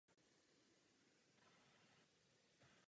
Komplexní pozemkové úpravy nebyly v obci dosud zahájeny.